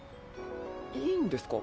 いいんですか？